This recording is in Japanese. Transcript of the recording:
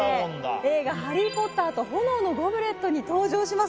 映画「ハリー・ポッターと炎のゴブレット」に登場します